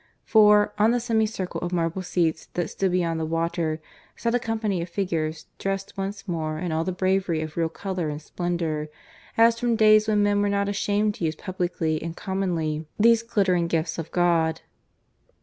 For, on the semicircle of marble seats that stood beyond the water, sat a company of figures dressed once more in all the bravery of real colour and splendour, as from days when men were not ashamed to use publicly and commonly these glittering gifts of God.